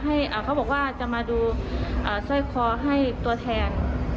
เขาบอกว่าจะมาดูสร้อยคอให้ตัวแทน